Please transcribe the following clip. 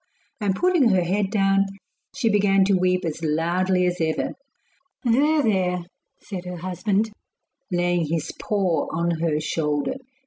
And putting her head down, she began to weep as loudly as ever. 'There! there!' said her husband, laying his paw on her shoulder.